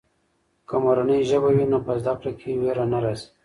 که مورنۍ ژبه وي نو په زده کړه کې وېره نه راځي.